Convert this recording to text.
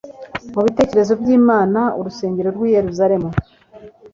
Mu bitekerezo by'Imana, urusengero rw'i Yerusalemu